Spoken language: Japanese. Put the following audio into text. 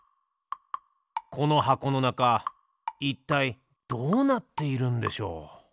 この箱のなかいったいどうなっているんでしょう？